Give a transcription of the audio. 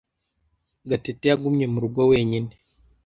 Gatete yagumye mu rugo wenyine.